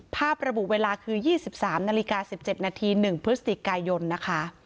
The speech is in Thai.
ระบุเวลาคือ๒๓นาฬิกา๑๗นาที๑พฤศจิกายนนะคะ